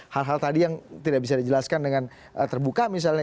hal hal tadi yang tidak bisa dijelaskan dengan terbuka misalnya